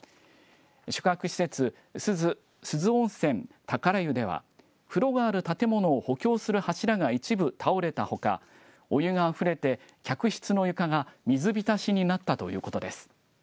宿泊施設、珠洲温泉宝湯では、風呂がある建物を補強する柱が一部倒れたほか、お湯があふれて、客室の床が水浸しになったということです。